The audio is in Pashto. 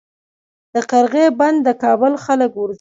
د قرغې بند د کابل خلک ورځي